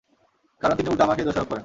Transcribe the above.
কারণ তিনি উল্টো আমাকেই দোষারোপ করেন।